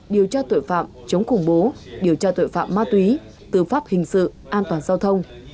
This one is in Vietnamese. điều tra tội phạm chống khủng bố điều tra tội phạm ma túy tư pháp hình sự an toàn giao thông